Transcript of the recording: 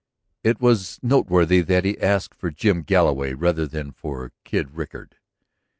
It was noteworthy that he asked for Jim Galloway rather than for Kid Rickard.